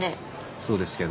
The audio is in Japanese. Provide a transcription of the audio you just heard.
そうですけど？